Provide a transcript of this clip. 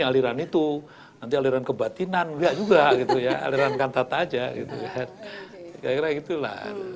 aliran itu nanti aliran kebatinan juga gitu ya aliran kantata aja gitu kayak gitu lah